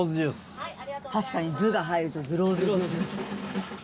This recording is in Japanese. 確かにズが入るとズロース。